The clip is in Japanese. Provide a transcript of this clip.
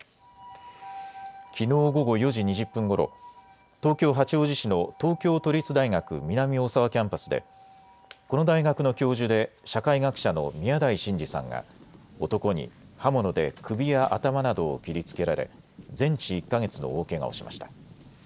きのう午後４時２０分ごろ、東京八王子市の東京都立大学南大沢キャンパスでこの大学の教授で社会学者の宮台真司さんが男に刃物で首や頭などを切りつけられ全治１か月の大けがをしました。